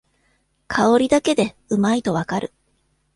香りだけでうまいとわかる